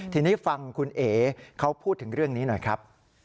ทีนี้ฟังคุณเอ๋เขาพูดถึงเรื่องนี้หน่อยครับ